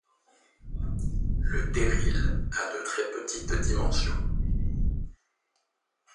Le terril a de très petites dimensions.